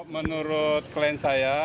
menurut klien saya